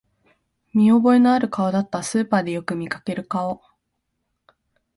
見覚えのある顔だった、スーパーでよく見かける顔